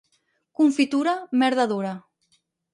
Confitura, merda dura.